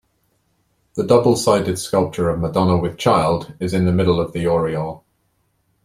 The double-sided sculpture of Madonna with child is in the middle of the aureole.